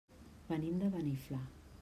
Venim de Beniflà.